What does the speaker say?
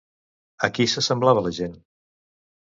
A qui s'assemblava la gent?